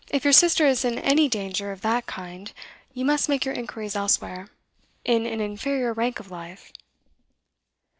If your sister is in any danger of that kind, you must make your inquiries elsewhere in an inferior rank of life.